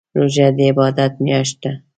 روژه دي عبادات میاشت ده